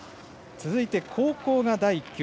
続いて後攻の第１球。